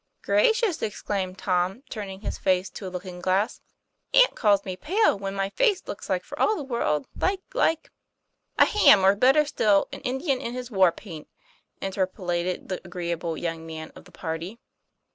'Gracious!' exclaimed Tom, turning his face to a looking glass. ;< Aunt calls me pale, when my face looks for all the world like like "" A ham, or better still, an Indian in his war paint," interpolated the agreeable young man of the party.